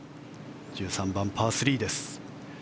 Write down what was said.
１３番、パー３です。